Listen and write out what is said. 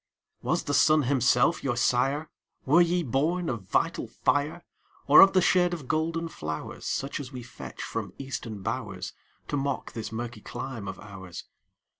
Was the sun himself your sire? Were ye born of vital fire? Or of the shade of golden flowers, Such as we fetch from Eastern bowers, To mock this murky clime of ours?